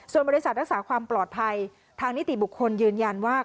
ส่วนบริษัทรักษาความปลอดภัยทางนิติบุคคลยืนยันว่า